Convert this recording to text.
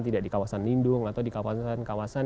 tidak di kawasan lindung atau di kawasan kawasan